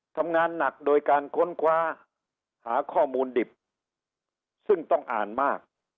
ทำงานหนักโดยการค้นคว้าหาข้อมูลดิบซึ่งต้องอ่านมาก